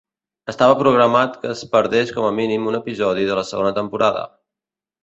Estava programat que es perdés com a mínim un episodi de la segona temporada.